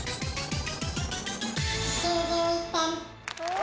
お！